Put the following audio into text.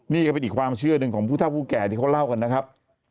นี่ก็เป็นอีกความเชื่อหนึ่งของผู้เท่าผู้แก่ที่เขาเล่ากันนะครับ